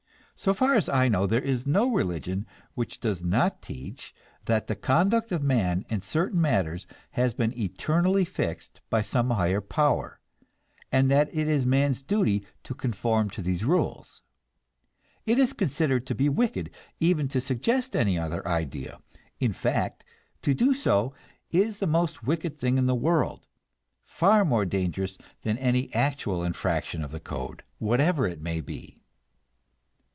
So far as I know there is no religion which does not teach that the conduct of man in certain matters has been eternally fixed by some higher power, and that it is man's duty to conform to these rules. It is considered to be wicked even to suggest any other idea; in fact, to do so is the most wicked thing in the world, far more dangerous than any actual infraction of the code, whatever it may be.